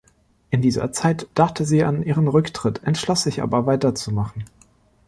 In dieser Zeit dachte sie an ihren Rücktritt, entschloss sich aber weiterzumachen.